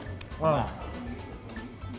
เออ